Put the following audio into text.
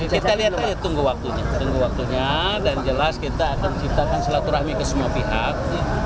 kita lihat tunggu waktunya tunggu waktunya dan jelas kita akan ciptakan silaturahmi ke semua pihak